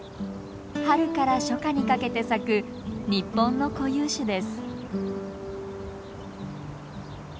春から初夏にかけて咲く日本の固有種です。